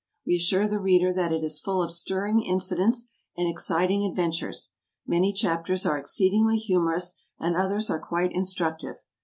We assure the reader that it is full of stirring incidents and exciting adventures. Many chapters are exceedingly humorous, and others are quite instructive.